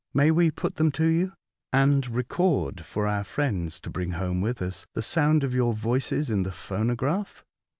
May we put them to you, and record for our friends, to bring home with us, the sound of your voices in the phonograph?"